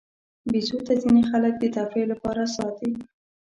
بیزو ته ځینې خلک د تفریح لپاره ساتي.